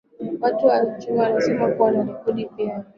ya watu wa Quechua anasema huwa wanarekodi pia video